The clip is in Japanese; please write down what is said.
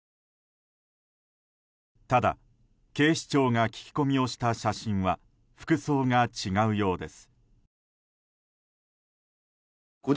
ただ警視庁が聞き込みをした写真は服装が違うようです。